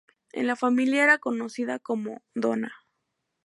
En la familia, era conocida como "Dona".